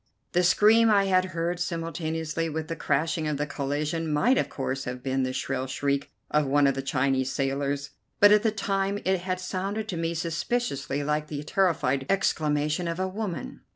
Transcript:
The scream I had heard simultaneously with the crashing of the collision might of course have been the shrill shriek of one of the Chinese sailors, but at the time it had sounded to me suspiciously like the terrified exclamation of a woman.